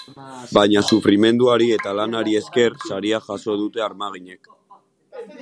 Baina sufrimenduari eta lanari esker, saria jasu dute armaginek.